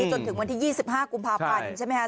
จนถึงวันที่๒๕กุมภาพันธ์ใช่ไหมคะ